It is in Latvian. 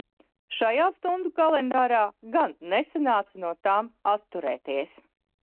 Šajā "Stundu kalendārā" gan nesanāca no tām atturēties.